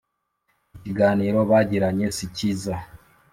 Ikiganiro bagiranye si cyiza.